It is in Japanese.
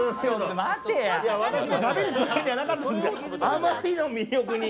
あまりの魅力に。